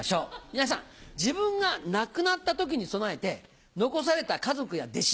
皆さん自分が亡くなった時に備えて残された家族や弟子